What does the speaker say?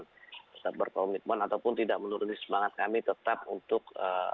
tetap berkomitmen ataupun tidak menuruni semangat kami tetap untuk